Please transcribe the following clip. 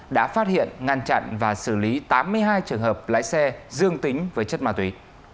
đã phát hiện ngăn chặn và xử lý tám mươi hai trường hợp lái xe dương tính với chất ma túy